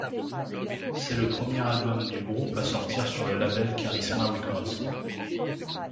C'est le premier album du groupe à sortir sur le label Charisma Records.